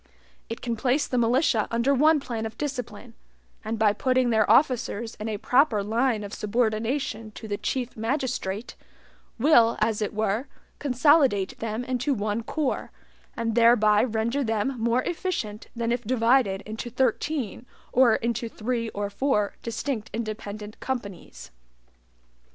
It can place the militia under one plan of discipline, and, by putting their officers in a proper line of subordination to the Chief Magistrate, will, as it were, consolidate them into one corps, and thereby render them more efficient than if divided into thirteen or into three or four distinct independent companies.